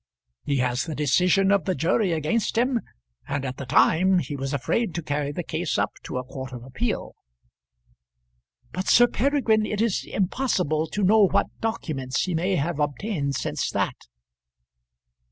He has the decision of the jury against him, and at the time he was afraid to carry the case up to a court of appeal." "But, Sir Peregrine, it is impossible to know what documents he may have obtained since that."